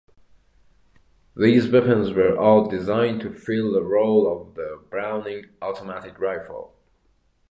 These weapons were all designed to fill the role of the Browning Automatic Rifle.